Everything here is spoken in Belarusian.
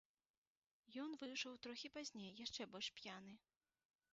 Ён выйшаў трохі пазней, яшчэ больш п'яны.